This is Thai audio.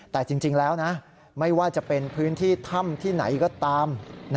แต่จริงแล้วนะไม่ว่าจะเป็นพื้นที่ถ้ำที่ไหนก็ตาม